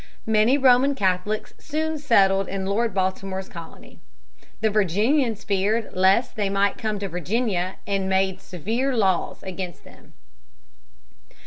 Many Roman Catholics soon settled in Lord Baltimore's colony. The Virginians feared lest they might come to Virginia and made severe laws against them.